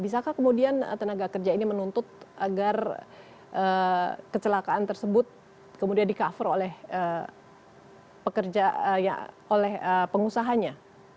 bisakah kemudian tenaga kerja ini menuntut agar kecelakaan tersebut kemudian di cover oleh pengusahanya